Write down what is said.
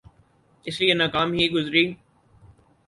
اس لئے ناکام ہی گزری۔